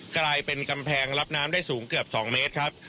กลายเป็นกำแพงรับน้ำได้สูงเกือบ๒เมตรครับ